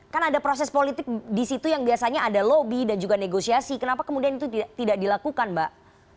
kan ada proses politik di situ yang biasanya ada lobby dan juga negosiasi kenapa kemudian itu tidak dilakukan mbak